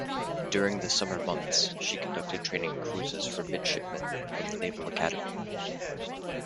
During the summer months, she conducted training cruises for midshipmen from the Naval Academy.